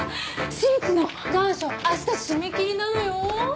私立の願書明日締め切りなのよ。